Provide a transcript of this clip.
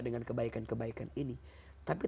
dengan kebaikan kebaikan ini